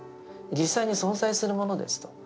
実際に存在するものですと。